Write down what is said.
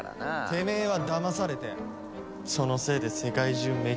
てめえはだまされてそのせいで世界中めちゃくちゃだ。